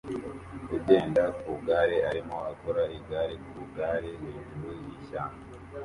Ugenda ku igare arimo akora igare ku igare hejuru yishyamba